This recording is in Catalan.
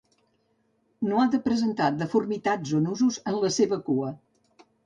No ha de presentar deformitats o nusos en la seva cua.